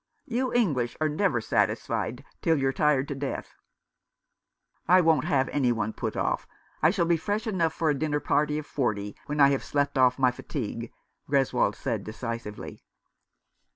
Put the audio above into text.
You English are never satisfied till you're tired to death." " I won't have any one put off. I shall be fresh enough for a dinner party of forty when I have slept off my fatigue," Greswold said decisively.